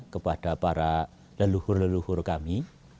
kepada para leluhur leluhur kami